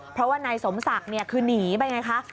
เพราะว่าในสมศักดิ์เนี่ยคือนีไปไงคะ